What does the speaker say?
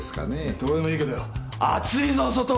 どうでもいいけどよ暑いぞ外は。